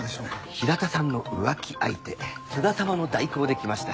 平田さんの浮気相手津田様の代行で来ました